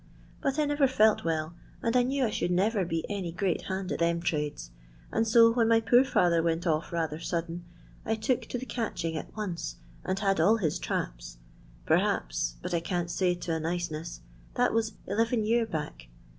ut I never felt well, and knew I should never be any great hand at them trades, and so when my poor father went off rather sudden, I took to the catching at once and had all his traps. Perhaps, but I can't say to a nicencss, that was eleven year back.